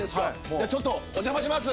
じゃあちょっとお邪魔します！